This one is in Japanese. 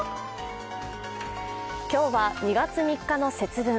今日は２月３日の節分。